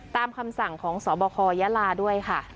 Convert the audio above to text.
ตามคำสั่งของสบคยาลาด้วยค่ะ